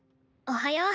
おはよう。